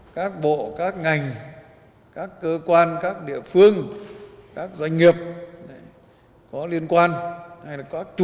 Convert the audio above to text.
các bộ các ngành các cơ quan các địa phương các doanh nghiệp có liên quan hay là có chủ